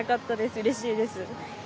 うれしいです。